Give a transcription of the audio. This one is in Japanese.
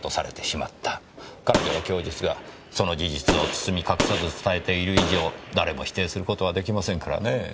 彼女の供述がその事実を包み隠さず伝えている以上誰も否定する事は出来ませんからねぇ。